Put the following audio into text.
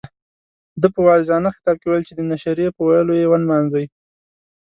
ده په واعظانه خطاب کې ویل چې د نشرې په ويلو یې ونمانځئ.